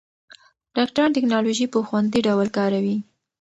ډاکټران ټېکنالوژي په خوندي ډول کاروي.